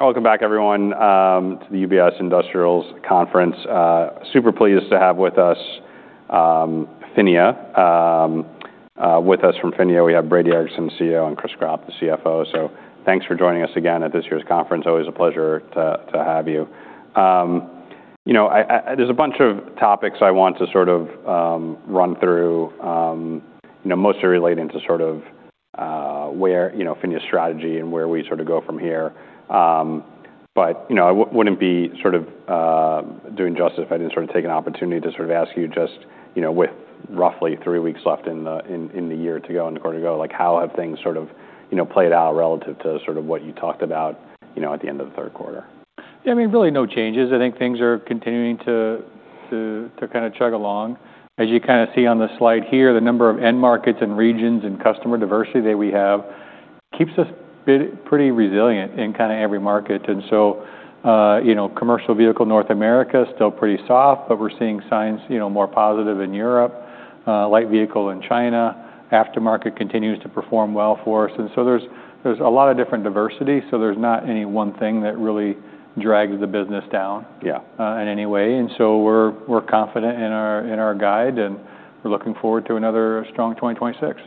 Welcome back, everyone, to the UBS Industrials Conference. Super pleased to have with us, PHINIA, with us from PHINIA. We have Brady Ericson, CEO, and Chris Gropp, the CFO. So thanks for joining us again at this year's conference. Always a pleasure to have you. You know, there's a bunch of topics I want to sort of run through. You know, mostly relating to sort of where you know PHINIA's strategy and where we sort of go from here. But, you know, I wouldn't be sort of doing justice if I didn't sort of take an opportunity to sort of ask you just, you know, with roughly three weeks left in the year to go and a quarter to go, like, how have things sort of, you know, played out relative to sort of what you talked about, you know, at the end of the third quarter? Yeah, I mean, really no changes. I think things are continuing to kinda chug along. As you kinda see on the slide here, the number of end markets and regions and customer diversity that we have keeps us pretty, pretty resilient in kinda every market. And so, you know, commercial vehicle North America's still pretty soft, but we're seeing signs, you know, more positive in Europe, light vehicle in China. Aftermarket continues to perform well for us. And so there's a lot of different diversity, so there's not any one thing that really drags the business down. Yeah. in any way. And so we're confident in our guide, and we're looking forward to another strong 2026.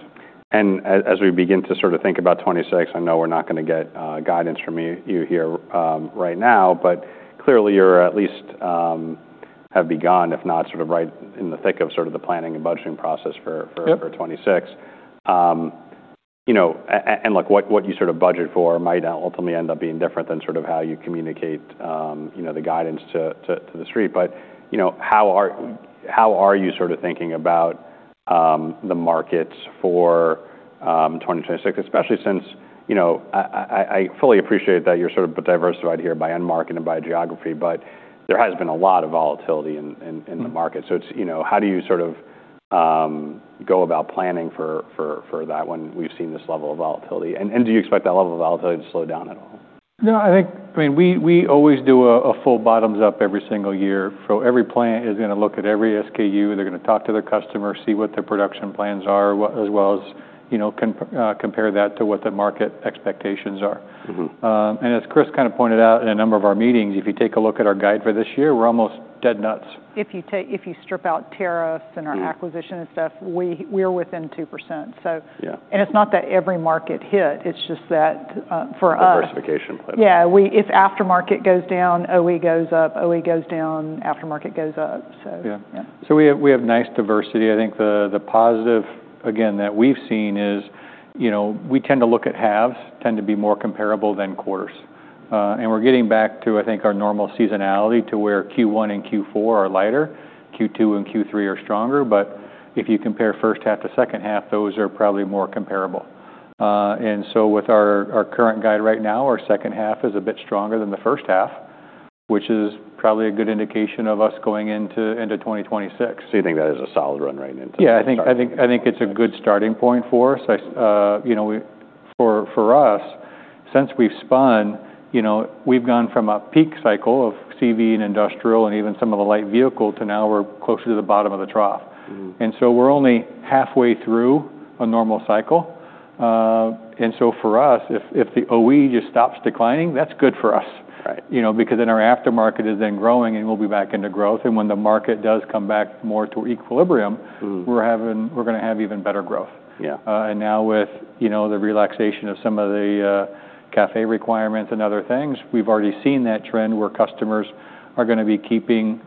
And as we begin to sort of think about 2026, I know we're not gonna get guidance from you here right now, but clearly you're at least have begun, if not sort of right in the thick of sort of the planning and budgeting process for. Yeah. For 2026, you know, and look, what you sort of budget for might ultimately end up being different than sort of how you communicate, you know, the guidance to the street. But you know, how are you sort of thinking about the markets for 2026, especially since, you know, I fully appreciate that you're sort of diversified here by end market and by geography, but there has been a lot of volatility in the market. Yeah. It's, you know, how do you sort of go about planning for that when we've seen this level of volatility? Do you expect that level of volatility to slow down at all? No, I think, I mean, we always do a full bottoms-up every single year. So every plant is gonna look at every SKU. They're gonna talk to their customers, see what their production plans are, as well as, you know, compare that to what the market expectations are. Mm-hmm. And as Chris kinda pointed out in a number of our meetings, if you take a look at our guide for this year, we're almost dead nuts. If you strip out tariffs and our acquisition and stuff. Yeah. We're within 2%. So. Yeah. It's not that every market hit. It's just that, for us. Diversification play. Yeah. Well, if aftermarket goes down, OE goes up. OE goes down, aftermarket goes up. So. Yeah. Yeah. So we have nice diversity. I think the positive, again, that we've seen is, you know, we tend to look at halves, tend to be more comparable than quarters, and we're getting back to, I think, our normal seasonality to where Q1 and Q4 are lighter, Q2 and Q3 are stronger, but if you compare first half to second half, those are probably more comparable, and so with our current guide right now, our second half is a bit stronger than the first half, which is probably a good indication of us going into 2026. So you think that is a solid run right into. Yeah. I think it's a good starting point for us. You know, for us, since we've spun, you know, we've gone from a peak cycle of CV and industrial and even some of the light vehicle to now we're closer to the bottom of the trough. Mm-hmm. And so we're only halfway through a normal cycle. And so for us, if the OE just stops declining, that's good for us. Right. You know, because then our aftermarket is then growing and we'll be back into growth and when the market does come back more to equilibrium. Mm-hmm. We're gonna have even better growth. Yeah. And now with, you know, the relaxation of some of the CAFE requirements and other things, we've already seen that trend where customers are gonna be keeping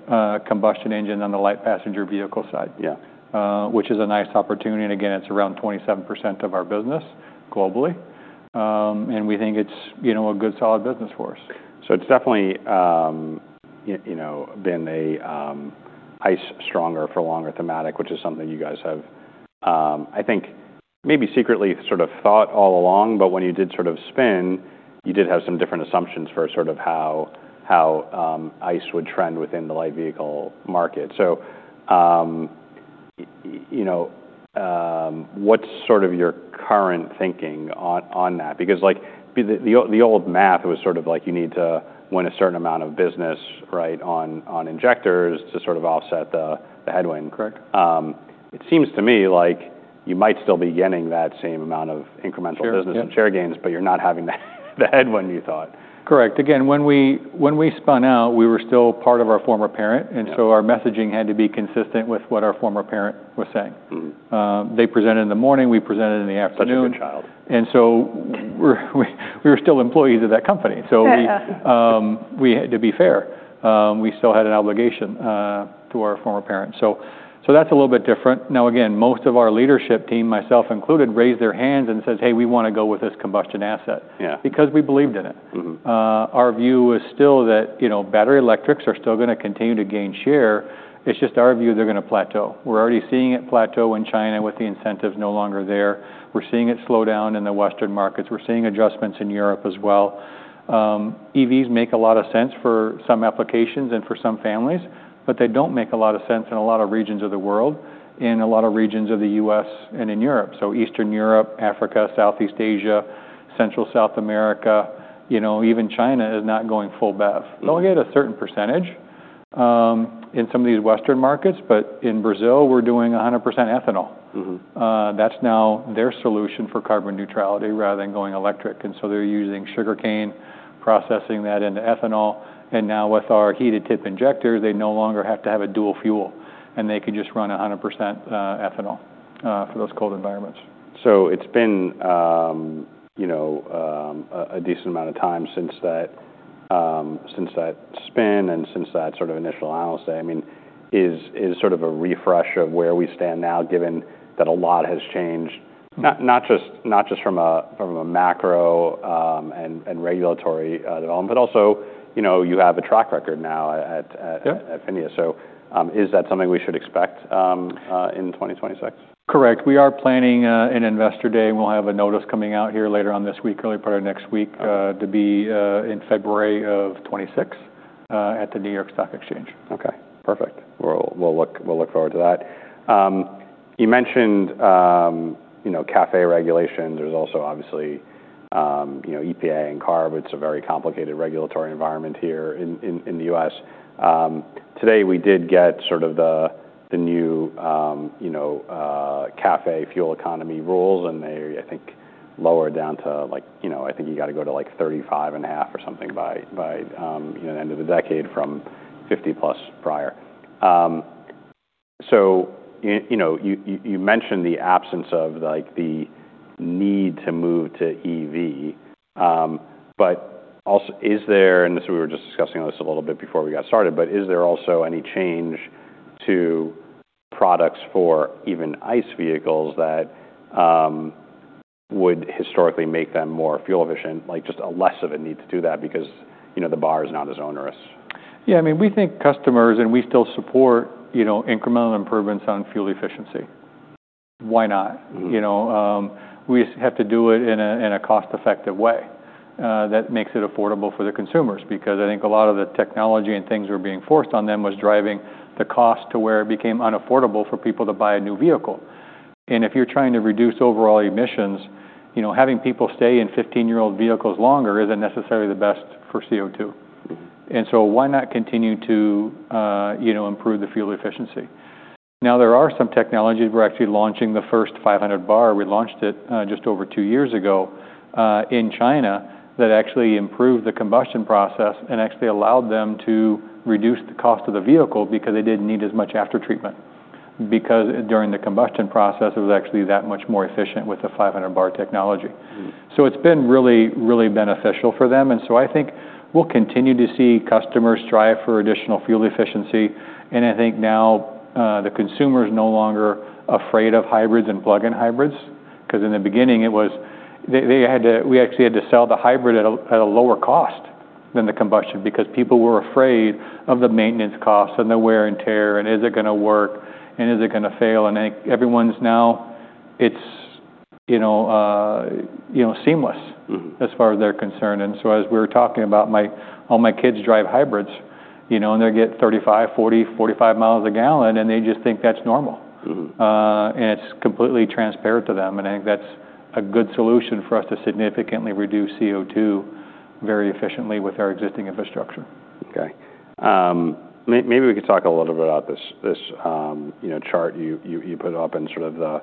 combustion engine on the light passenger vehicle side. Yeah. which is a nice opportunity. And again, it's around 27% of our business globally. And we think it's, you know, a good solid business for us. So it's definitely, you know, been a ICE stronger for longer thematic, which is something you guys have, I think maybe secretly sort of thought all along. But when you did sort of spin, you did have some different assumptions for sort of how ICE would trend within the light vehicle market. So, you know, what's sort of your current thinking on that? Because, like, the old math was sort of like you need to win a certain amount of business, right, on injectors to sort of offset the headwind. Correct. It seems to me like you might still be getting that same amount of incremental business. Sure. Share gains, but you're not having the headwind you thought. Correct. Again, when we spun out, we were still part of our former parent. Mm-hmm. Our messaging had to be consistent with what our former parent was saying. Mm-hmm. They presented in the morning. We presented in the afternoon. Such a good child. We were still employees of that company. Yeah. So we had to be fair. We still had an obligation to our former parent. So that's a little bit different. Now, again, most of our leadership team, myself included, raised their hands and says, "Hey, we wanna go with this combustion asset. Yeah. Because we believed in it. Mm-hmm. Our view is still that, you know, battery electrics are still gonna continue to gain share. It's just our view they're gonna plateau. We're already seeing it plateau in China with the incentives no longer there. We're seeing it slow down in the Western markets. We're seeing adjustments in Europe as well. EVs make a lot of sense for some applications and for some families, but they don't make a lot of sense in a lot of regions of the world, in a lot of regions of the U.S. and in Europe. Eastern Europe, Africa, Southeast Asia, Central South America, you know, even China is not going full BEV. Mm-hmm. They'll get a certain percentage, in some of these Western markets. But in Brazil, we're doing 100% ethanol. Mm-hmm. That's now their solution for carbon neutrality rather than going electric, and so they're using sugarcane, processing that into ethanol, and now with our heated tip injectors, they no longer have to have a dual fuel, and they can just run 100% ethanol for those cold environments. So it's been, you know, a decent amount of time since that spin and since that sort of initial analysis. I mean, this is sort of a refresh of where we stand now given that a lot has changed. Mm-hmm. Not just from a macro and regulatory development, but also, you know, you have a track record now at. Yep. At PHINIA. So, is that something we should expect, in 2026? Correct. We are planning an investor day, and we'll have a notice coming out here later on this week, early part of next week. Mm-hmm. to be, in February of 2026, at the New York Stock Exchange. Okay. Perfect. We'll look forward to that. You mentioned, you know, CAFE regulation. There's also, obviously, you know, EPA and CARB. It's a very complicated regulatory environment here in the U.S. Today we did get sort of the new, you know, CAFE fuel economy rules, and they, I think, lowered down to, like, you know, I think you gotta go to like 35 and a half or something by, by, you know, the end of the decade from 50-plus prior. So, you know, you mentioned the absence of, like, the need to move to EV. But also, is there - and this we were just discussing a little bit before we got started - but is there also any change to products for even ICE vehicles that would historically make them more fuel efficient, like just a less of a need to do that because, you know, the bar is not as onerous? Yeah. I mean, we think customers and we still support, you know, incremental improvements on fuel efficiency. Why not? Mm-hmm. You know, we have to do it in a cost-effective way, that makes it affordable for the consumers because I think a lot of the technology and things were being forced on them was driving the cost to where it became unaffordable for people to buy a new vehicle. And if you're trying to reduce overall emissions, you know, having people stay in 15-year-old vehicles longer isn't necessarily the best for CO2. Mm-hmm. Why not continue to, you know, improve the fuel efficiency? Now, there are some technologies we're actually launching the first 500 bar. We launched it just over two years ago in China that actually improved the combustion process and actually allowed them to reduce the cost of the vehicle because they didn't need as much after treatment because during the combustion process it was actually that much more efficient with the 500 bar technology. Mm-hmm. So it's been really, really beneficial for them. And so I think we'll continue to see customers strive for additional fuel efficiency. And I think now, the consumer's no longer afraid of hybrids and plug-in hybrids 'cause in the beginning, it was they had to we actually had to sell the hybrid at a lower cost than the combustion because people were afraid of the maintenance costs and the wear and tear and is it gonna work and is it gonna fail. And I think everyone's now it's, you know, you know, seamless. Mm-hmm. As far as they're concerned, and so as we were talking about, all my kids drive hybrids, you know, and they get 35, 40, 45 miles a gallon, and they just think that's normal. Mm-hmm. It's completely transparent to them. I think that's a good solution for us to significantly reduce CO2 very efficiently with our existing infrastructure. Okay. Maybe we could talk a little bit about this, you know, chart you put up and sort of the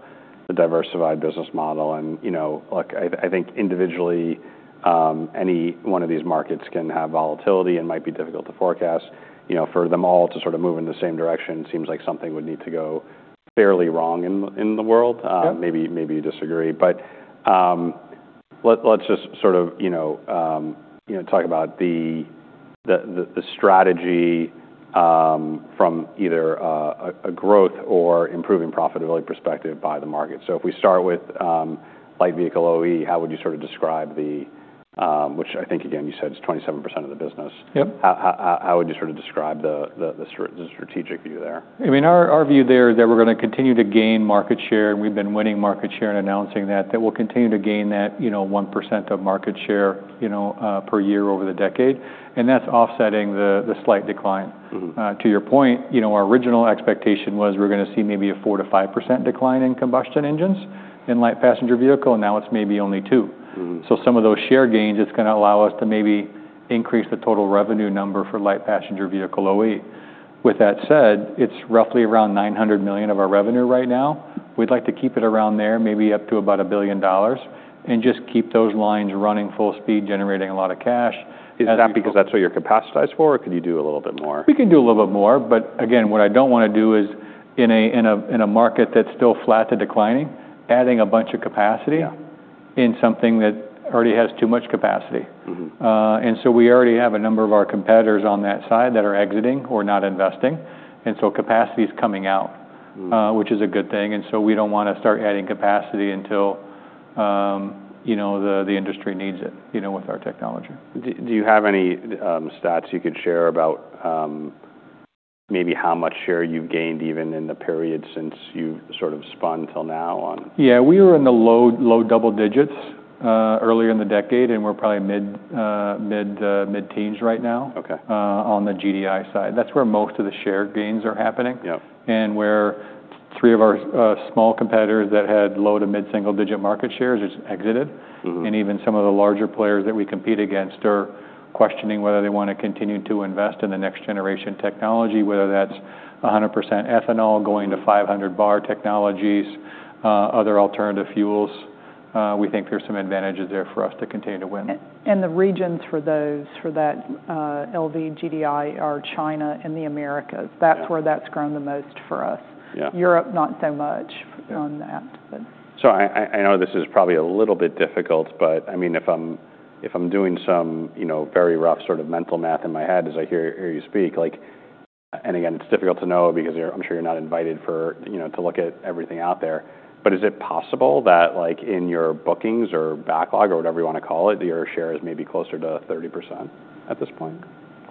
diversified business model. And, you know, look, I think individually, any one of these markets can have volatility and might be difficult to forecast. You know, for them all to sort of move in the same direction, it seems like something would need to go fairly wrong in the world. Yeah. Maybe, maybe you disagree. But let's just sort of, you know, talk about the strategy from either a growth or improving profitability perspective by the market. So if we start with light vehicle OE, how would you sort of describe which I think, again, you said is 27% of the business. Yep. How would you sort of describe the strategic view there? I mean, our view there is that we're gonna continue to gain market share. And we've been winning market share and announcing that we'll continue to gain that, you know, 1% of market share, you know, per year over the decade. And that's offsetting the slight decline. Mm-hmm. To your point, you know, our original expectation was we're gonna see maybe a 4%-5% decline in combustion engines in light passenger vehicle. Now it's maybe only 2%. Mm-hmm. So some of those share gains, it's gonna allow us to maybe increase the total revenue number for light passenger vehicle OE. With that said, it's roughly around $900 million of our revenue right now. We'd like to keep it around there, maybe up to about $1 billion and just keep those lines running full speed, generating a lot of cash. Is that because that's what you're capacitated for, or could you do a little bit more? We can do a little bit more. But again, what I don't wanna do is in a market that's still flat to declining, adding a bunch of capacity. Yeah. In something that already has too much capacity. Mm-hmm. And so we already have a number of our competitors on that side that are exiting or not investing. And so capacity's coming out. Mm-hmm. which is a good thing. And so we don't wanna start adding capacity until, you know, the industry needs it, you know, with our technology. Do you have any stats you could share about maybe how much share you've gained even in the period since you've sort of spun till now on? Yeah. We were in the low, low double digits, earlier in the decade, and we're probably mid, mid, mid teens right now. Okay. on the GDI side. That's where most of the share gains are happening. Yep. Where three of our small competitors that had low- to mid-single-digit market shares just exited. Mm-hmm. Even some of the larger players that we compete against are questioning whether they wanna continue to invest in the next generation technology, whether that's 100% ethanol going to 500 bar technologies, other alternative fuels. We think there's some advantages there for us to continue to win. And the regions for that LV GDI are China and the Americas. Mm-hmm. That's where that's grown the most for us. Yeah. Europe, not so much on that, but. So I know this is probably a little bit difficult, but I mean, if I'm doing some, you know, very rough sort of mental math in my head as I hear you speak, like, and again, it's difficult to know because you're, I'm sure you're not invited, you know, to look at everything out there. But is it possible that, like, in your bookings or backlog or whatever you wanna call it, your share is maybe closer to 30% at this point?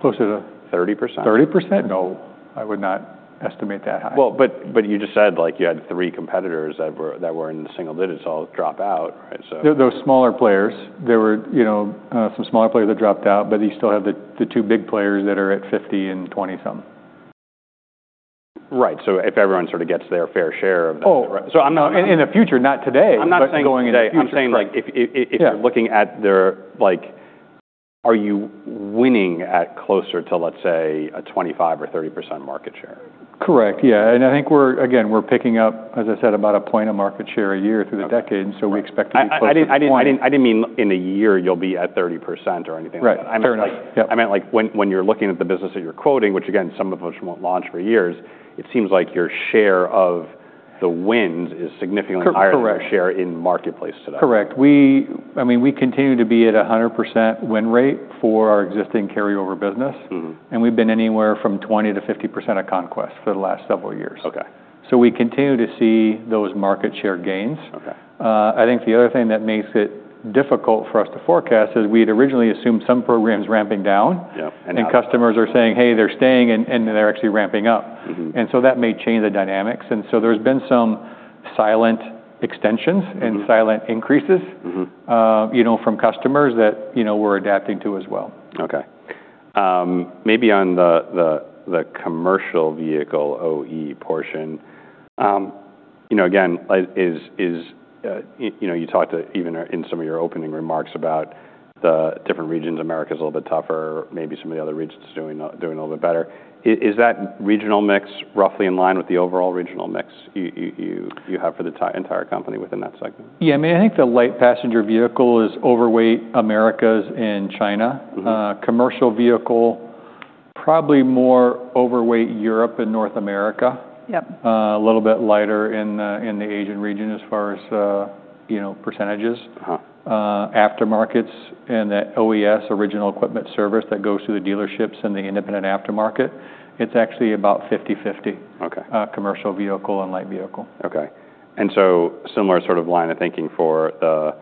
Closer to. 30%? 30%? No. I would not estimate that high. But you just said, like, you had three competitors that were in the single digits all drop out, right? So. There were, you know, some smaller players that dropped out, but you still have the two big players that are at 50 and 20-some. Right. So if everyone sort of gets their fair share of that. Oh. Right. So I'm not in the future, not today. I'm not saying today. But going into the future, like, if you're looking at their, like, are you winning at closer to, let's say, a 25% or 30% market share? Correct. Yeah. And I think we're again picking up, as I said, about a point of market share a year through the decade. Mm-hmm. We expect to be close to 20. I didn't mean in a year you'll be at 30% or anything like that. Right. I meant, like, yep. When you're looking at the business that you're quoting, which again, some of us won't launch for years, it seems like your share of the wins is significantly higher than your share. Correct. In marketplace today. Correct. We, I mean, we continue to be at a 100% win rate for our existing carryover business. Mm-hmm. We've been anywhere from 20%-50% of conquest for the last several years. Okay. We continue to see those market share gains. Okay. I think the other thing that makes it difficult for us to forecast is we'd originally assumed some programs ramping down. Yep. And now. And customers are saying, "Hey, they're staying," and they're actually ramping up. Mm-hmm. And so that may change the dynamics. And so there's been some silent extensions and silent increases. Mm-hmm. You know, from customers that, you know, we're adapting to as well. Okay. Maybe on the commercial vehicle OE portion, you know, again, like, you know, you talked even in some of your opening remarks about the different regions, Americas a little bit tougher, maybe some of the other regions doing a little bit better. Is that regional mix roughly in line with the overall regional mix you have for the entire company within that segment? Yeah. I mean, I think the light passenger vehicle is overweight Americas and China. Mm-hmm. Commercial vehicle, probably more overweight Europe and North America. Yep. a little bit lighter in the Asian region as far as, you know, percentages. Uh-huh. Aftermarkets and that OES, original equipment service that goes through the dealerships and the independent aftermarket. It's actually about 50/50. Okay. commercial vehicle and light vehicle. Okay. And so, similar sort of line of thinking for the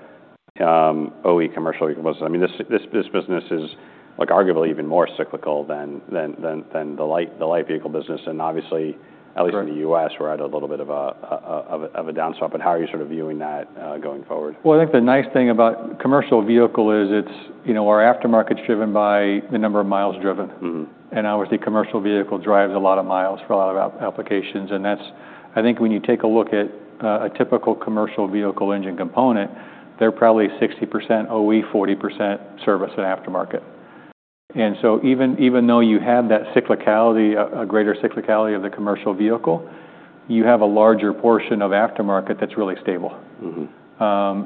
OE commercial vehicle business. I mean, this business is, like, arguably even more cyclical than the light vehicle business. And obviously, at least in the U.S., we're at a little bit of a downswing. But how are you sort of viewing that, going forward? I think the nice thing about commercial vehicle is it's, you know, our aftermarket's driven by the number of miles driven. Mm-hmm. Obviously, commercial vehicle drives a lot of miles for a lot of applications. That's, I think, when you take a look at a typical commercial vehicle engine component. They're probably 60% OE, 40% service and aftermarket. Even though you have that cyclicality, a greater cyclicality of the commercial vehicle, you have a larger portion of aftermarket that's really stable. Mm-hmm.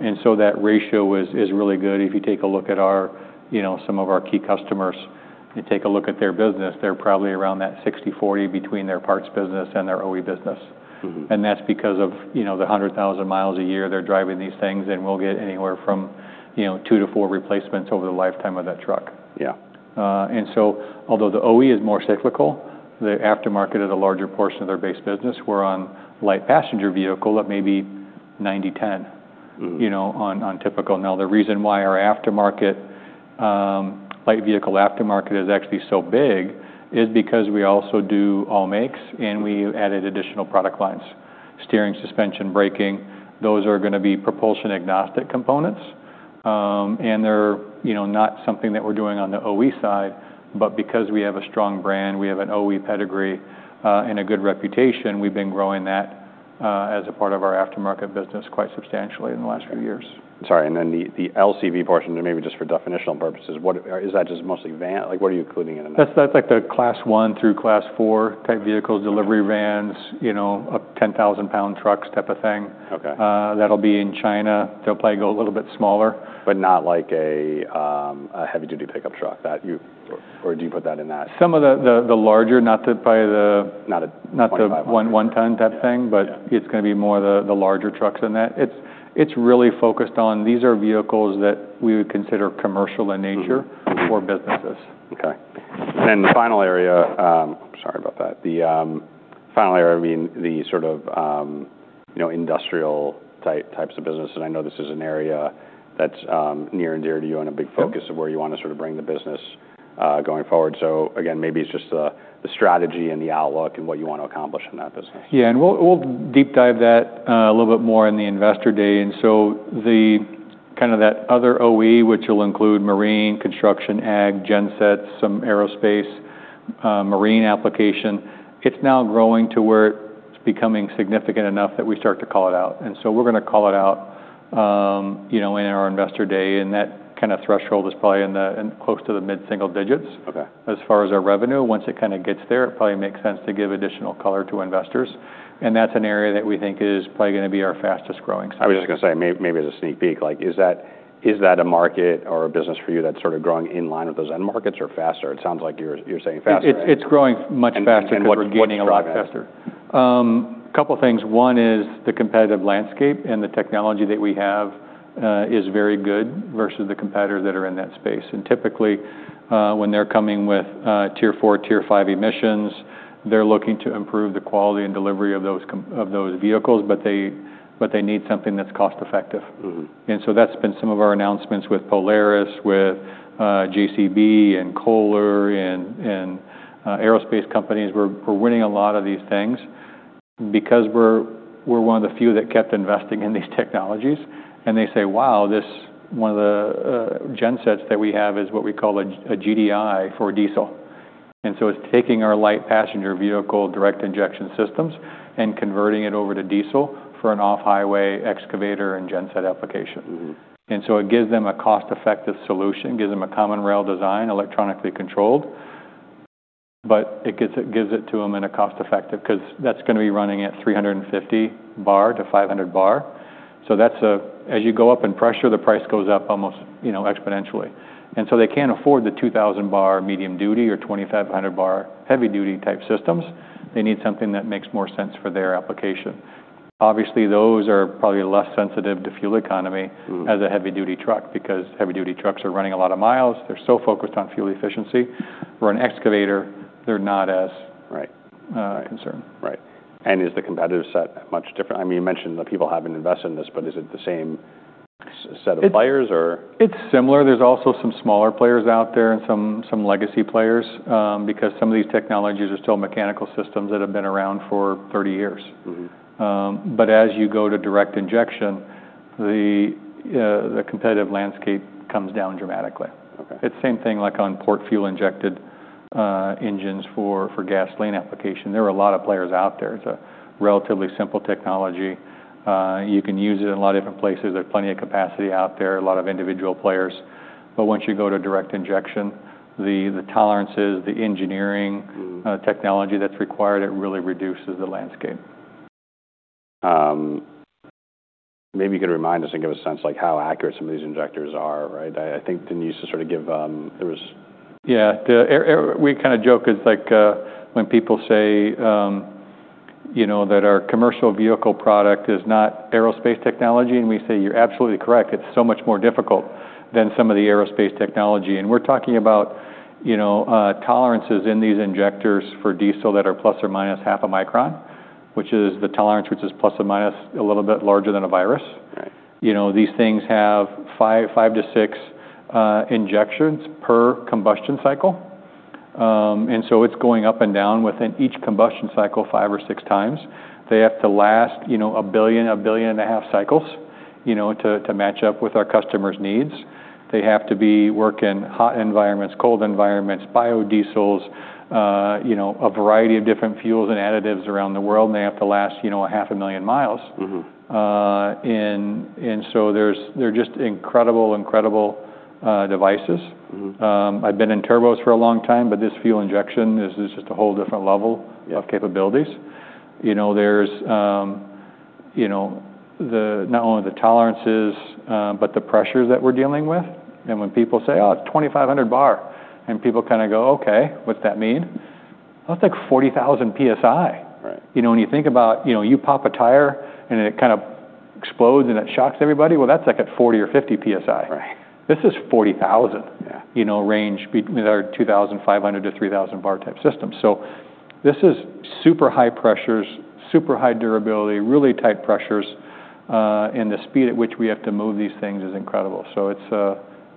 And so that ratio is really good. If you take a look at our, you know, some of our key customers and take a look at their business, they're probably around that 60/40 between their parts business and their OE business. Mm-hmm. That's because of, you know, the 100,000 miles a year they're driving these things. We'll get anywhere from, you know, two-to-four replacements over the lifetime of that truck. Yeah. And so, although the OE is more cyclical, the aftermarket is a larger portion of their base business. We're on light passenger vehicle at maybe 90/10. Mm-hmm. You know, on typical. Now, the reason why our aftermarket light vehicle aftermarket is actually so big is because we also do all makes, and we added additional product lines: steering, suspension, braking. Those are gonna be propulsion agnostic components, and they're, you know, not something that we're doing on the OE side, but because we have a strong brand, we have an OE pedigree, and a good reputation, we've been growing that as a part of our aftermarket business quite substantially in the last few years. Sorry. And then the LCV portion, maybe just for definitional purposes, what is that just mostly van? Like, what are you including in that? That's like the class one through class four type vehicles, delivery vans, you know, up 10,000-pound trucks type of thing. Okay. That'll be in China. They'll probably go a little bit smaller. But not like a heavy-duty pickup truck that you or do you put that in that? Some of the larger, not probably the. Not a. Not the one-ton type thing, but it's gonna be more the larger trucks than that. It's really focused on these are vehicles that we would consider commercial in nature for businesses. Okay. And then the final area, sorry about that. I mean, the sort of, you know, industrial types of business. And I know this is an area that's near and dear to you and a big focus of where you wanna sort of bring the business, going forward. So again, maybe it's just the strategy and the outlook and what you wanna accomplish in that business. Yeah. We'll deep dive that a little bit more in the investor day. And so the kind of that other OE, which will include marine, construction, ag, gensets, some aerospace, marine application, it's now growing to where it's becoming significant enough that we start to call it out. And so we're gonna call it out, you know, in our investor day. And that kind of threshold is probably in the close to the mid single digits. Okay. As far as our revenue, once it kind of gets there, it probably makes sense to give additional color to investors, and that's an area that we think is probably gonna be our fastest growing segment. I was just gonna say, maybe as a sneak peek, like, is that a market or a business for you that's sort of growing in line with those end markets or faster? It sounds like you're saying faster. It's growing much faster toward getting a lot faster. A couple things. One is the competitive landscape and the technology that we have is very good versus the competitors that are in that space, and typically, when they're coming with Tier 4, Tier 5 emissions, they're looking to improve the quality and delivery of those vehicles, but they need something that's cost-effective. Mm-hmm. And so that's been some of our announcements with Polaris, with JCB and Kohler and aerospace companies. We're winning a lot of these things because we're one of the few that kept investing in these technologies. And they say, "Wow, this one of the gensets that we have is what we call a GDI for diesel." And so it's taking our light passenger vehicle direct injection systems and converting it over to diesel for an off-highway excavator and genset application. Mm-hmm. And so it gives them a cost-effective solution, gives them a common rail design, electronically controlled, but it gives it to them in a cost-effective 'cause that's gonna be running at 350 bar to 500 bar. So that's as you go up in pressure, the price goes up almost, you know, exponentially. And so they can't afford the 2,000-bar medium duty or 2,500-bar heavy-duty type systems. They need something that makes more sense for their application. Obviously, those are probably less sensitive to fuel economy. Mm-hmm. As a heavy-duty truck because heavy-duty trucks are running a lot of miles. They're so focused on fuel efficiency. For an excavator, they're not as. Right. concerned. Right. And is the competitive set much different? I mean, you mentioned that people haven't invested in this, but is it the same set of players or? It's similar. There's also some smaller players out there and some legacy players, because some of these technologies are still mechanical systems that have been around for 30 years. Mm-hmm. But as you go to direct injection, the competitive landscape comes down dramatically. Okay. It's the same thing, like on port fuel injected engines for gasoline application. There are a lot of players out there. It's a relatively simple technology. You can use it in a lot of different places. There's plenty of capacity out there, a lot of individual players. But once you go to direct injection, the tolerances, the engineering. Mm-hmm. Technology that's required, it really reduces the landscape. Maybe you could remind us and give us a sense, like, how accurate some of these injectors are, right? I think the needs to sort of give, there was. Yeah. Yeah, we kind of joke is like, when people say, you know, that our commercial vehicle product is not aerospace technology, and we say, "You're absolutely correct. It's so much more difficult than some of the aerospace technology." And we're talking about, you know, tolerances in these injectors for diesel that are plus or minus half a micron, which is the tolerance, which is plus or minus a little bit larger than a virus. Right. You know, these things have five to six injections per combustion cycle. And so it's going up and down within each combustion cycle five or six times. They have to last, you know, a billion and a half cycles, you know, to match up with our customers' needs. They have to be working hot environments, cold environments, biodiesels, you know, a variety of different fuels and additives around the world, and they have to last, you know, 500,000 miles. Mm-hmm. and so they're just incredible devices. Mm-hmm. I've been in turbos for a long time, but this fuel injection is just a whole different level. Yeah. Of capabilities. You know, there's, you know, not only the tolerances, but the pressures that we're dealing with. And when people say, "Oh, it's 2,500 bar," and people kind of go, "Okay. What's that mean?" That's like 40,000 PSI. Right. You know, when you think about, you know, you pop a tire and it kind of explodes and it shocks everybody. Well, that's like at 40 or 50 PSI. Right. This is 40,000. Yeah. You know, range between our 2,500-3,000-bar type system. So this is super high pressures, super high durability, really tight pressures, and the speed at which we have to move these things is incredible. So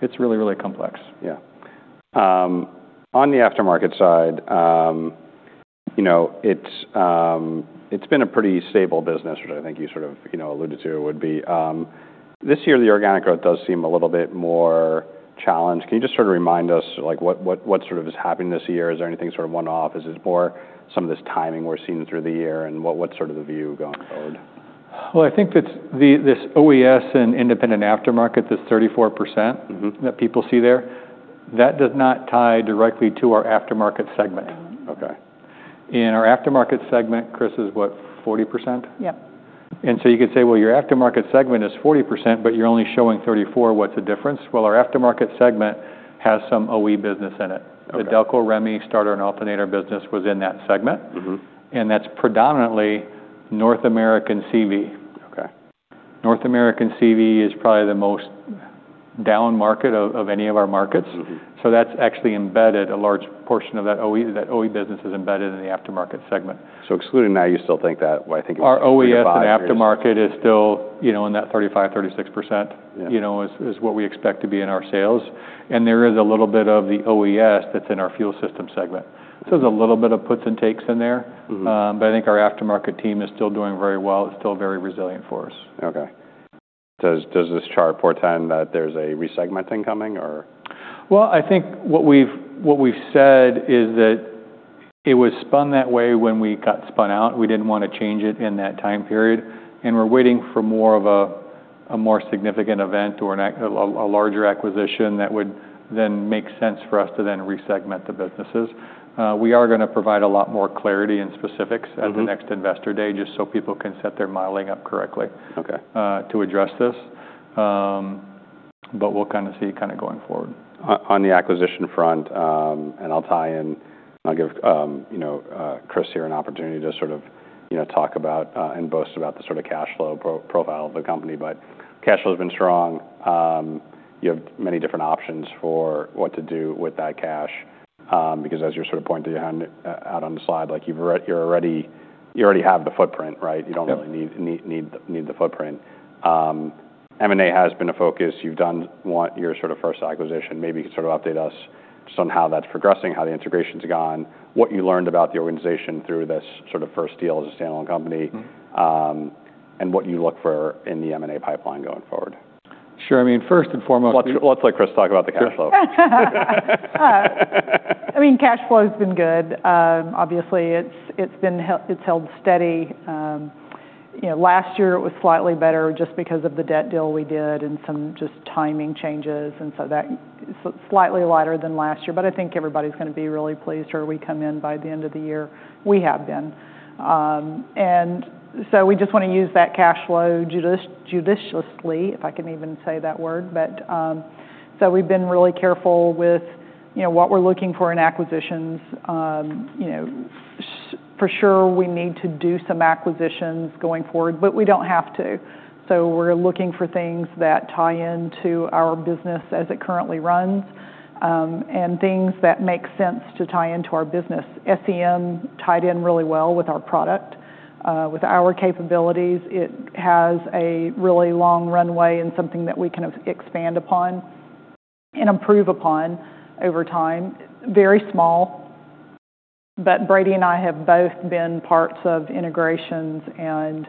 it's really, really complex. Yeah. On the aftermarket side, you know, it's, it's been a pretty stable business, which I think you sort of, you know, alluded to would be. This year, the organic growth does seem a little bit more challenged. Can you just sort of remind us, like, what, what, what sort of is happening this year? Is there anything sort of one-off? Is it more some of this timing we're seeing through the year? And what's sort of the view going forward? I think that's the OES and independent aftermarket, this 34%. Mm-hmm. That people see there, that does not tie directly to our aftermarket segment. Okay. Our aftermarket segment, Chris, is what, 40%? Yep. And so you could say, "Well, your aftermarket segment is 40%, but you're only showing 34%. What's the difference?" Well, our aftermarket segment has some OE business in it. Okay. The Delco Remy starter and alternator business was in that segment. Mm-hmm. That's predominantly North American CV. Okay. North American CV is probably the most down market of any of our markets. Mm-hmm. So, that's actually embedded a large portion of that OE business is embedded in the aftermarket segment. So excluding that, you still think that, well, I think it's. Our OES and aftermarket is still, you know, in that 35%-36%. Yeah. You know, is what we expect to be in our sales. And there is a little bit of the OES that's in our fuel system segment. So there's a little bit of puts and takes in there. Mm-hmm. But I think our aftermarket team is still doing very well. It's still very resilient for us. Okay. Does this chart portend that there's a resegmenting coming or? I think what we've said is that it was spun that way when we got spun out. We didn't wanna change it in that time period, and we're waiting for more of a more significant event or a larger acquisition that would then make sense for us to then resegment the businesses. We are gonna provide a lot more clarity and specifics at the next investor day just so people can set their modeling up correctly. Okay. to address this, but we'll kind of see going forward. On the acquisition front, and I'll tie in and I'll give, you know, Chris here an opportunity to sort of, you know, talk about, and boast about the sort of cash flow profile of the company. But cash flow has been strong. You have many different options for what to do with that cash, because as you're sort of pointing to your handout on the slide, like you already have the footprint, right? Yep. You don't really need the footprint. M&A has been a focus. You've done one, your sort of first acquisition. Maybe you can sort of update us just on how that's progressing, how the integration's gone, what you learned about the organization through this sort of first deal as a standalone company. Mm-hmm. and what you look for in the M&A pipeline going forward. Sure. I mean, first and foremost. Let's let Chris talk about the cash flow. I mean, cash flow has been good. Obviously, it's been held steady. You know, last year it was slightly better just because of the debt deal we did and some just timing changes, and so that slightly lighter than last year, but I think everybody's gonna be really pleased where we come in by the end of the year. We have been, and so we just wanna use that cash flow judiciously, if I can even say that word. But so we've been really careful with, you know, what we're looking for in acquisitions. You know, for sure we need to do some acquisitions going forward, but we don't have to, so we're looking for things that tie into our business as it currently runs, and things that make sense to tie into our business. SEM tied in really well with our product, with our capabilities. It has a really long runway and something that we can expand upon and improve upon over time. Very small, but Brady and I have both been parts of integrations, and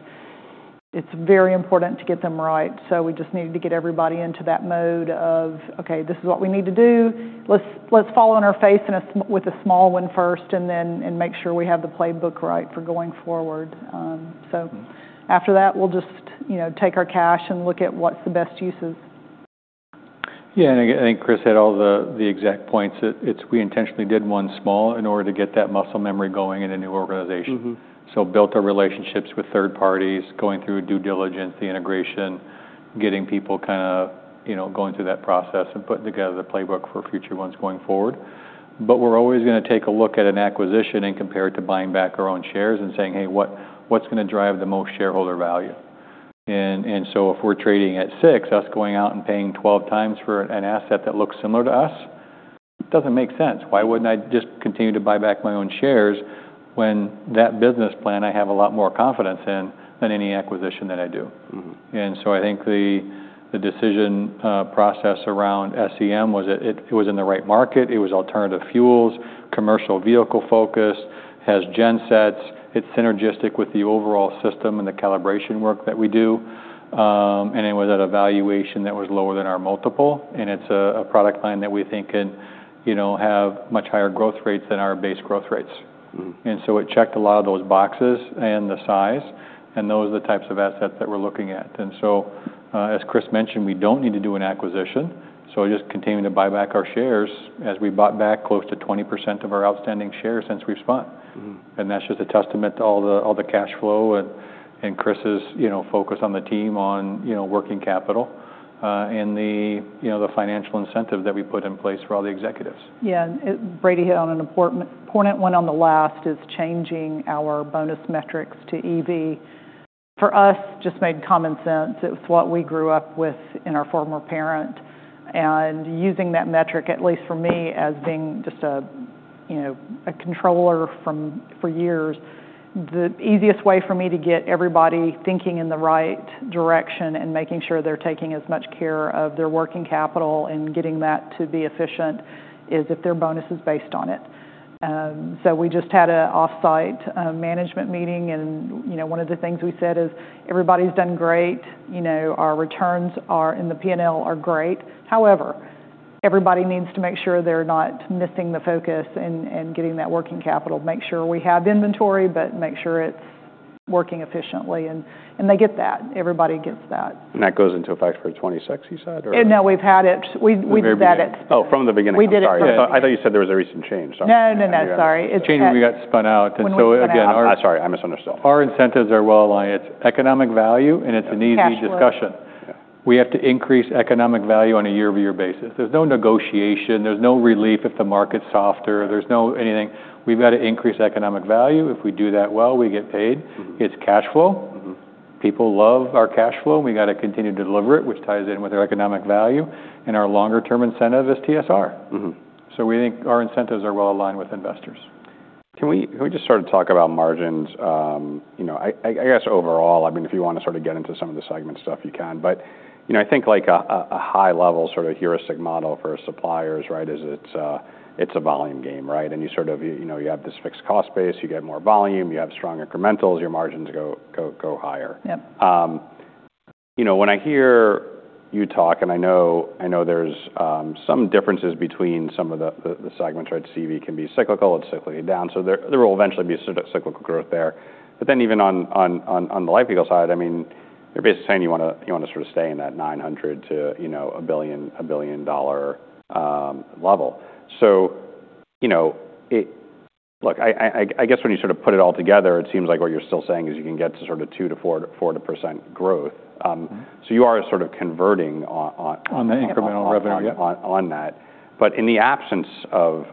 it's very important to get them right. So we just needed to get everybody into that mode of, "Okay, this is what we need to do. Let's fall on our face in a safe with a small one first and then make sure we have the playbook right for going forward." So after that, we'll just, you know, take our cash and look at what's the best uses. Yeah. I think Chris had all the exact points that it's we intentionally did one small in order to get that muscle memory going in a new organization. Mm-hmm. So built our relationships with third parties, going through due diligence, the integration, getting people kind of, you know, going through that process and putting together the playbook for future ones going forward. But we're always gonna take a look at an acquisition and compare it to buying back our own shares and saying, "Hey, what, what's gonna drive the most shareholder value?" And, and so if we're trading at six, us going out and paying 12 times for an asset that looks similar to us, it doesn't make sense. Why wouldn't I just continue to buy back my own shares when that business plan I have a lot more confidence in than any acquisition that I do? Mm-hmm. I think the decision process around S.E.M. was in the right market. It was alternative fuels, commercial vehicle focus, has gensets. It's synergistic with the overall system and the calibration work that we do. It was at a valuation that was lower than our multiple. It's a product line that we think can, you know, have much higher growth rates than our base growth rates. Mm-hmm. And so it checked a lot of those boxes and the size, and those are the types of assets that we're looking at. And so, as Chris mentioned, we don't need to do an acquisition. So just continuing to buy back our shares as we bought back close to 20% of our outstanding shares since we spun. Mm-hmm. And that's just a testament to all the cash flow and Chris's, you know, focus on the team on, you know, working capital, and the, you know, financial incentives that we put in place for all the executives. Yeah. Brady hit on an important point. One of the last is changing our bonus metrics to EVA. For us, it just made common sense. It's what we grew up with in our former parent. And using that metric, at least for me, as being just a, you know, a controller for years, the easiest way for me to get everybody thinking in the right direction and making sure they're taking as much care of their working capital and getting that to be efficient is if their bonus is based on it. So we just had an off-site management meeting, and, you know, one of the things we said is, "Everybody's done great. You know, our returns in the P&L are great. However, everybody needs to make sure they're not missing the focus and getting that working capital. Make sure we have inventory, but make sure it's working efficiently." And they get that. Everybody gets that. That goes into effect for 2026, you said, or? No, we've had it. We've had it. From the beginning of the sorry. We did it. I thought you said there was a recent change. No, no, no. Sorry. The change we got spun out. One question. I'm sorry. I misunderstood. Our incentives are well aligned. It's Economic Value, and it's an easy discussion. Exactly. Yeah. We have to increase Economic Value on a year-over-year basis. There's no negotiation. There's no relief if the market's softer. There's no anything. We've got to increase Economic Value. If we do that well, we get paid. Mm-hmm. It's cash flow. Mm-hmm. People love our cash flow, and we gotta continue to deliver it, which ties in with our Economic Value, and our longer-term incentive is TSR. Mm-hmm. So we think our incentives are well aligned with investors. Can we just sort of talk about margins? You know, I guess overall, I mean, if you wanna sort of get into some of the segment stuff, you can. But, you know, I think like a high-level sort of heuristic model for suppliers, right, is it's a volume game, right? And you sort of, you know, you have this fixed cost base. You get more volume. You have strong incrementals. Your margins go, go, go higher. Yep. You know, when I hear you talk, and I know, I know there's some differences between some of the segments, right? CV can be cyclical. It's cyclically down. So there will eventually be sort of cyclical growth there. But then even on the light vehicle side, I mean, you're basically saying you wanna sort of stay in that $900 million to, you know, $1 billion level. So, you know, it looks, I guess when you sort of put it all together, it seems like what you're still saying is you can get to sort of 2% to 4% growth. Mm-hmm. So you are sort of converting on. On the incremental revenue. On that. But in the absence of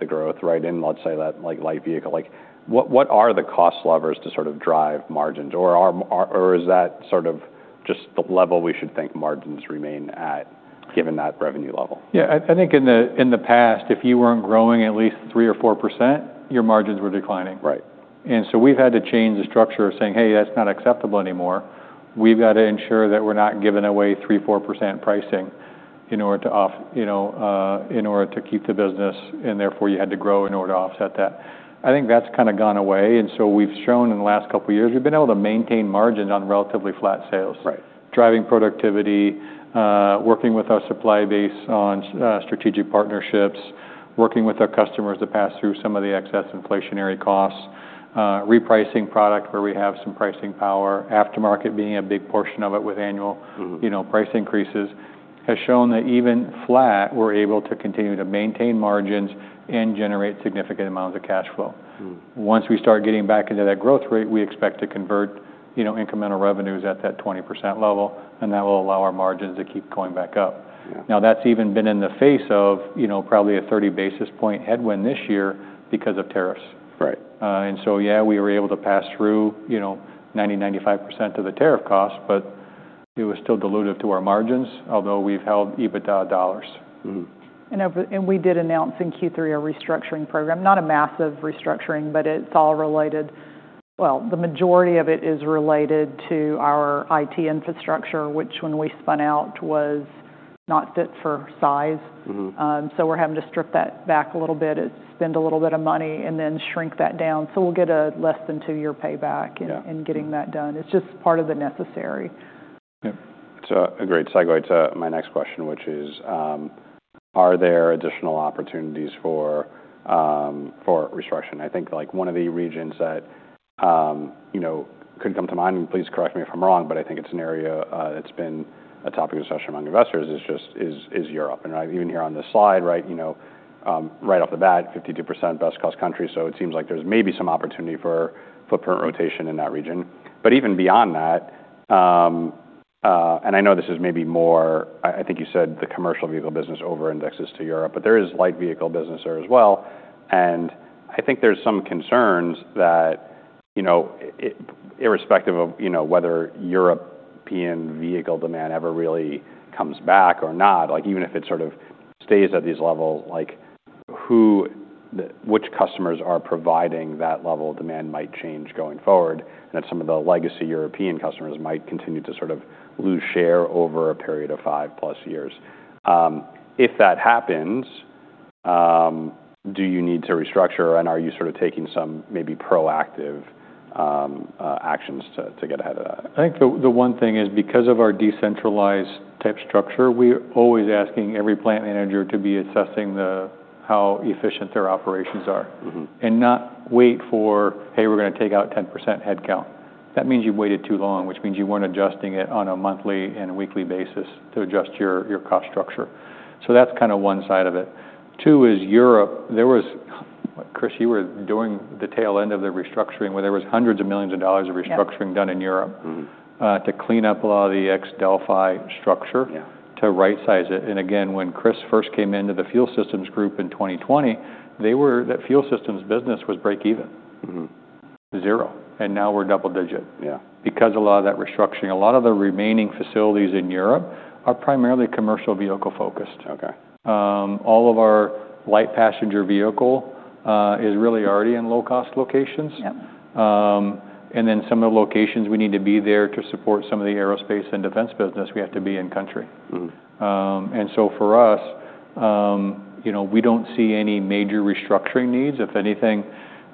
the growth, right, in let's say that, like, light vehicle, like, what are the cost levers to sort of drive margins? Or are or is that sort of just the level we should think margins remain at given that revenue level? Yeah. I think in the past, if you weren't growing at least 3 or 4%, your margins were declining. Right. And so we've had to change the structure of saying, "Hey, that's not acceptable anymore." We've gotta ensure that we're not giving away 3-4% pricing in order to, you know, keep the business, and therefore you had to grow in order to offset that. I think that's kind of gone away. And so we've shown in the last couple of years, we've been able to maintain margins on relatively flat sales. Right. Driving productivity, working with our supply base on strategic partnerships, working with our customers to pass through some of the excess inflationary costs, repricing product where we have some pricing power, aftermarket being a big portion of it with annual. Mm-hmm. You know, price increases has shown that even flat, we're able to continue to maintain margins and generate significant amounts of cash flow. Mm-hmm. Once we start getting back into that growth rate, we expect to convert, you know, incremental revenues at that 20% level, and that will allow our margins to keep going back up. Yeah. Now, that's even been in the face of, you know, probably a 30 basis point headwind this year because of tariffs. Right. And so, yeah, we were able to pass through, you know, 90%-95% of the tariff cost, but it was still diluted to our margins, although we've held EBITDA dollars. Mm-hmm. We did announce in Q3 our restructuring program. Not a massive restructuring, but it's all related. The majority of it is related to our IT infrastructure, which when we spun out was not fit for size. Mm-hmm. So we're having to strip that back a little bit, spend a little bit of money, and then shrink that down. We'll get a less than two-year payback in getting that done. It's just part of the necessary. Yep. It's a great segue to my next question, which is, are there additional opportunities for restructuring? I think like one of the regions that, you know, could come to mind, and please correct me if I'm wrong, but I think it's an area that's been a topic of discussion among investors is just Europe. And I even here on this slide, right, you know, right off the bat, 52% best cost country. So it seems like there's maybe some opportunity for footprint rotation in that region. But even beyond that, and I know this is maybe more, I think you said the commercial vehicle business over-indexes to Europe, but there is light vehicle business there as well. I think there's some concerns that, you know, irrespective of, you know, whether European vehicle demand ever really comes back or not, like even if it sort of stays at these levels, like who the which customers are providing that level of demand might change going forward, and that some of the legacy European customers might continue to sort of lose share over a period of five-plus years. If that happens, do you need to restructure, and are you sort of taking some maybe proactive actions to get ahead of that? I think the one thing is because of our decentralized type structure, we're always asking every plant manager to be assessing the how efficient their operations are. Mm-hmm. And not wait for, "Hey, we're gonna take out 10% headcount." That means you've waited too long, which means you weren't adjusting it on a monthly and weekly basis to adjust your cost structure. So that's kind of one side of it. Two is Europe. There was, Chris, you were doing the tail end of the restructuring where there was hundreds of millions of dollars of restructuring done in Europe. Mm-hmm. to clean up a lot of the ex-Delphi structure. Yeah. To right-size it. And again, when Chris first came into the fuel systems group in 2020, they were. That fuel systems business was break-even. Mm-hmm. Zero. And now we're double-digit. Yeah. Because a lot of that restructuring, a lot of the remaining facilities in Europe are primarily commercial vehicle-focused. Okay. All of our light passenger vehicle, is really already in low-cost locations. Yep. And then some of the locations we need to be there to support some of the aerospace and defense business, we have to be in country. Mm-hmm. And so for us, you know, we don't see any major restructuring needs. If anything,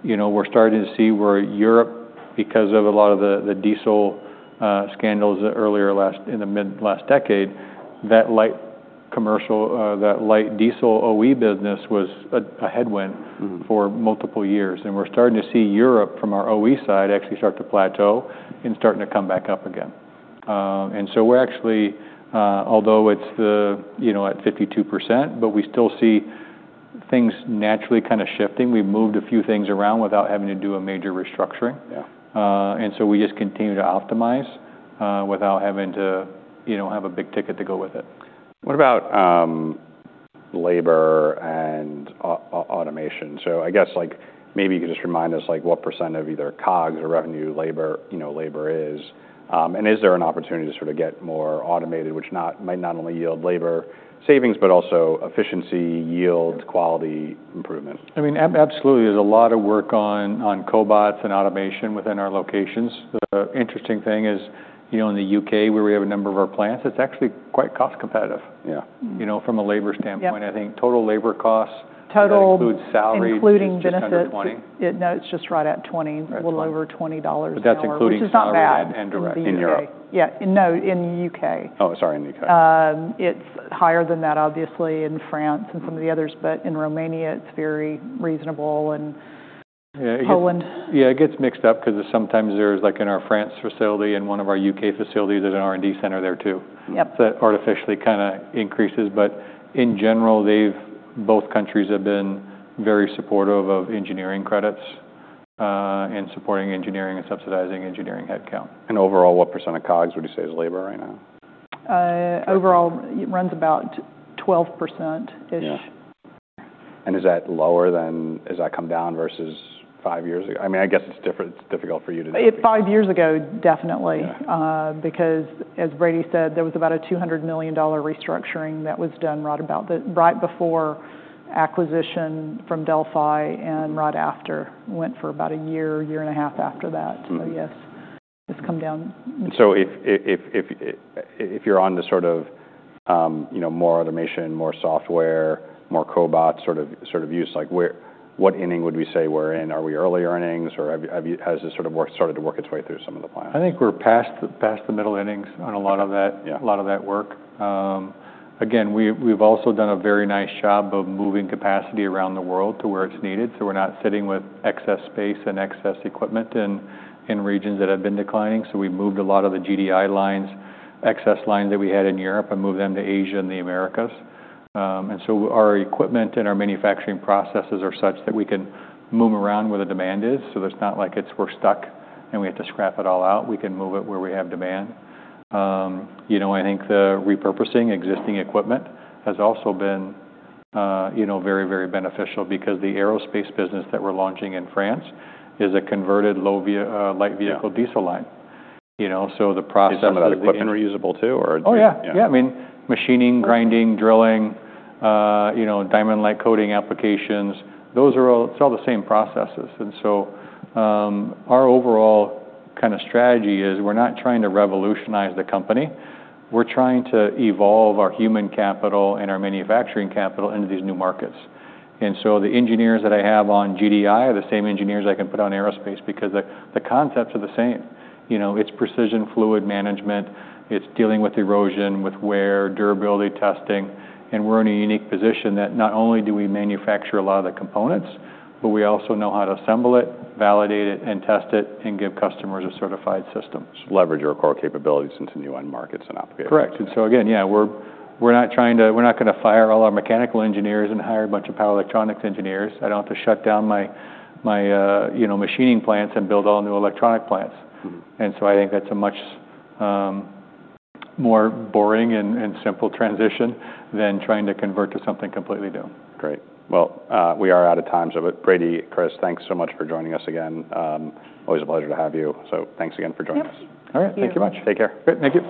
you know, we're starting to see where Europe, because of a lot of the diesel scandals earlier last in the mid-last decade, that light commercial, that light diesel OE business was a headwind. Mm-hmm. For multiple years, and we're starting to see Europe from our OE side actually start to plateau and starting to come back up again, and so we're actually, although it's the, you know, at 52%, but we still see things naturally kind of shifting. We've moved a few things around without having to do a major restructuring. Yeah. And so we just continue to optimize, without having to, you know, have a big ticket to go with it. What about labor and automation? So I guess like maybe you could just remind us like what percent of either COGS or revenue labor, you know, labor is. And is there an opportunity to sort of get more automated, which might not only yield labor savings, but also efficiency, yield, quality improvement? I mean, absolutely. There's a lot of work on cobots and automation within our locations. The interesting thing is, you know, in the U.K., where we have a number of our plants, it's actually quite cost-competitive. Yeah. You know, from a labor standpoint, I think total labor costs. Total. That includes salaries. Including benefits. Is it 720? No, it's just right at 20. Right. A little over $20. But that's including salary and direct in Europe. Which is not bad. Yeah. No, in the U.K. Oh, sorry. In the UK. It's higher than that, obviously, in France and some of the others, but in Romania, it's very reasonable. Yeah. Poland. Yeah. It gets mixed up 'cause sometimes there's like in our France facility and one of our UK facilities at an R&D center there too. Yep. So it artificially kinda increases. But in general, the two countries have been very supportive of engineering credits, and supporting engineering and subsidizing engineering headcount. Overall, what % of COGS would you say is labor right now? Overall, it runs about 12%-ish. Yeah, and is that lower than has that come down versus five years ago? I mean, I guess it's difficult for you to know. It's five years ago, definitely. Yeah. because as Brady said, there was about a $200 million restructuring that was done right about the right before acquisition from Delphi and right after. Went for about a year, year and a half after that. Mm-hmm. So yes, it's come down. If you're onto sort of, you know, more automation, more software, more cobot sort of use, like, what inning would we say we're in? Are we early innings or has this sort of started to work its way through some of the plants? I think we're past the middle innings on a lot of that. Yeah. A lot of that work. Again, we've also done a very nice job of moving capacity around the world to where it's needed. So we're not sitting with excess space and excess equipment in regions that have been declining. So we moved a lot of the GDI lines, excess lines that we had in Europe, and moved them to Asia and the Americas, and so our equipment and our manufacturing processes are such that we can move around where the demand is. So it's not like we're stuck and we have to scrap it all out. We can move it where we have demand. You know, I think the repurposing of existing equipment has also been, you know, very, very beneficial because the aerospace business that we're launching in France is a converted low-volume light vehicle diesel line. Yeah. You know, so the process. Is some of that equipment reusable too or do you? Oh, yeah. Yeah. Yeah. I mean, machining, grinding, drilling, you know, diamond light coating applications, those are all the same processes. And so, our overall kinda strategy is we're not trying to revolutionize the company. We're trying to evolve our human capital and our manufacturing capital into these new markets. And so the engineers that I have on GDI are the same engineers I can put on aerospace because the concepts are the same. You know, it's precision fluid management. It's dealing with erosion, with wear, durability testing. And we're in a unique position that not only do we manufacture a lot of the components, but we also know how to assemble it, validate it, and test it and give customers a certified system. Leverage your core capabilities into new end markets and applications. Correct. And so again, yeah, we're not trying to. We're not gonna fire all our mechanical engineers and hire a bunch of power electronics engineers. I don't have to shut down my you know machining plants and build all new electronic plants. Mm-hmm. And so I think that's a much more boring and simple transition than trying to convert to something completely new. Great. We are out of time. Brady, Chris, thanks so much for joining us again. Always a pleasure to have you. Thanks again for joining us. Yep. All right. Thank you much. Take care. Good. Thank you.